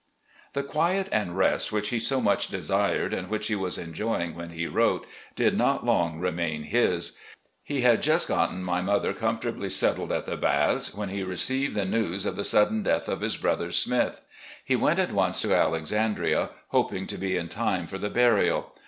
The quiet and rest which he so much desired, and which he was enjo3ring when he wrote, did not long remain his. He had just gotten my mother comfortably THE NEW HOME IN LEXINGTON 361 settled at the Baths, when he received the news of the sudden death of his brother Smith. He went at once to Alexandria, hoping to be in time for the burial.